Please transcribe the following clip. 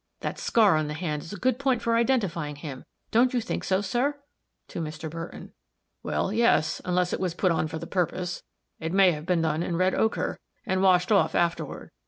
That scar on the hand is a good point for identifying him don't you think so, sir?" to Mr. Burton. "Well yes! unless it was put on for the purpose. It may have been done in red ocher, and washed off afterward.